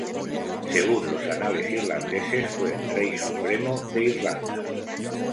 Según los anales irlandeses fue Rey Supremo de Irlanda.